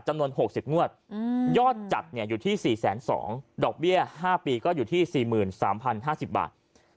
จำนวน๖๐งวดยอดจัดอยู่ที่๔๒๐๐ดอกเบี้ย๕ปีก็อยู่ที่๔๓๐๕๐บาท